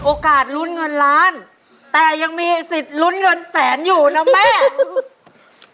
โอกาสลุ้นเงินล้านแต่ยังมีสิทธิ์ลุ้นเงินแสนอยู่นะแม่